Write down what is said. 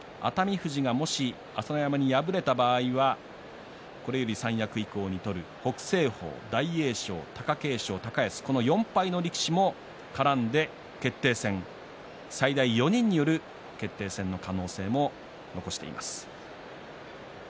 富士が、もし朝乃山に敗れた場合はこれより三役以降に取る北青鵬大栄翔、貴景勝、高安この４敗力士も絡んで決定戦、最大４人による決定戦の可能性も残しています。